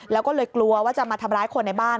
แล้วก็เลยกลัวว่าจะมาทำร้ายคนในบ้าน